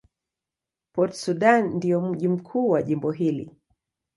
Port Sudan ndio mji mkuu wa jimbo hili.